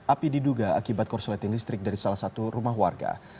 api diduga akibat korsleting listrik dari salah satu rumah warga